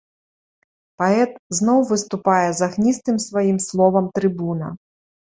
Паэт зноў выступае з агністым сваім словам трыбуна.